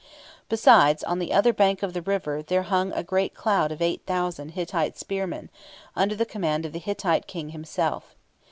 Besides, on the other bank of the river there hung a great cloud of 8,000 Hittite spearmen, under the command of the Hittite King himself.